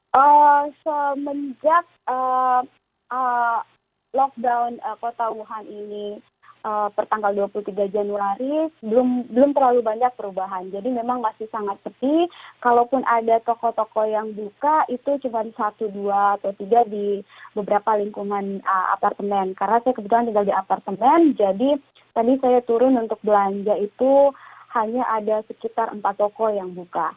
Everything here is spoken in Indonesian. oke seperti apa kondisi wuhan saat ini apakah pusat pusat keramaian gedung perkantoran ataupun juga pusat perbelanjaan ini masih sepi atau ada perubahan yang cukup signifikan dengan kondisi seperti sekarang